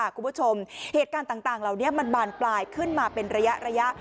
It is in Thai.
คุณผู้ชมเหตุการณ์ต่างเหล่านี้มันบานปลายขึ้นมาเป็นระยะ